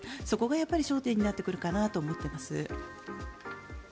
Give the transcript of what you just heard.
そこが焦点になってくるかなと思っています。